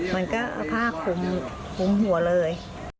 มันก็ค่าคุมหัวเลย